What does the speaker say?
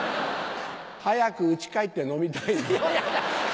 早く家帰って飲みたいな。